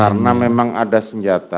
karena memang ada senjata